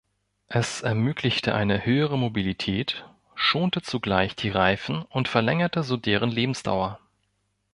Es ermöglichte eine höhere Mobilität, schonte zugleich die Reifen und verlängerte so deren Lebensdauer.